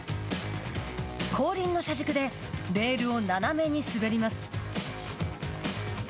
後輪の車軸でレールを斜めに滑ります。